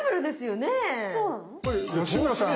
これ吉村さん